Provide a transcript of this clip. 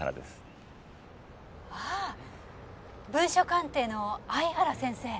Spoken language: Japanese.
ああ文書鑑定の相原先生？